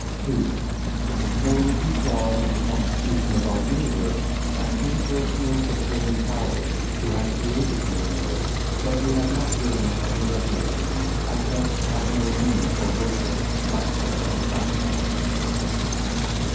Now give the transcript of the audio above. (2) Those who saw in the constitution of our universe an impersonal Supreme Power, who had created the universe, but who had not given us any revelation, and thus has no need for worship by prayer and sacrifice.